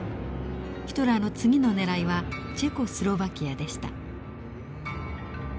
ヒトラーの次のねらいはチェコスロバキアでした。